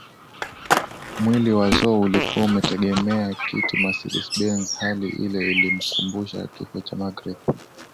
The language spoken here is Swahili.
Mwili wa Zo ulikuwa umeegemea kiti Mercedes benz hali ile ilimkumbusha kifo cha Magreth